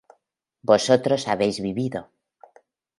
vosotros habéis vivido